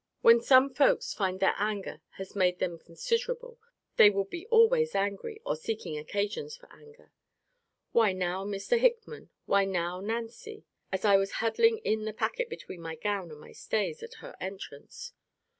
When some folks find their anger has made them considerable, they will be always angry, or seeking occasions for anger. Why, now, Mr. Hickman why, now, Nancy, [as I was huddling in the packet between my gown and my stays, at her entrance.